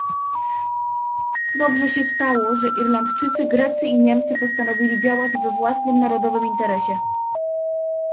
Dobrze się stało, że Irlandczycy, Grecy i Niemcy postanowili działać we własnym narodowym interesie